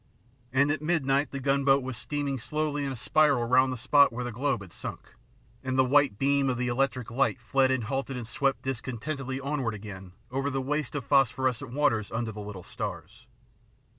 And at midnight the gunboat was steaming slowly in a spiral round the spot where the globe had sunk, and the white beam of the electric light fled and halted and swept dis contentedly onward again over the waste of phos phorescent waters under the little stars.